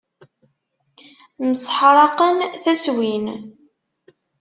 Mseḥṛaqen taswin.